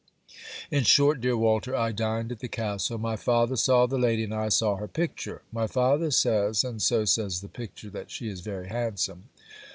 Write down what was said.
In short, dear Walter, I dined at the castle. My father saw the lady and I saw her picture. My father says, and so says the picture, that she is very handsome.